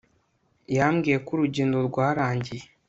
yambwiye ko urugendo rwarangiye